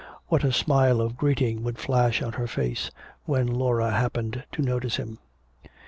What a smile of greeting would flash on her face when Laura happened to notice him.